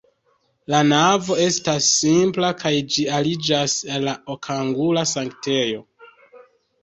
La navo estas simpla kaj ĝi aliĝas al la okangula sanktejo.